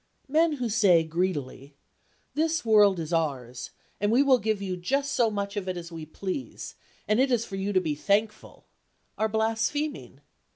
Men who say greedily, "This world is ours, and we will give you just so much of it as we please, and it is for you to be thankful," are blaspheming.